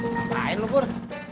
ngapain lu pur